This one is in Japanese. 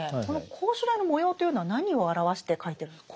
この絞首台の模様というのは何を表して書いてる？